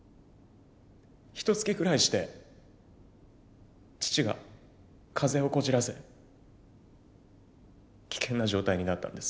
ひとつきぐらいして父が風邪をこじらせ危険な状態になったんです。